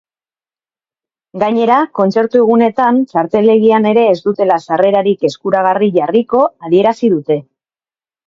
Gainera, kontzertu egunetan txarteldegian ere ez dutela sarrerarik eskuragarri jarriko adierazi dute.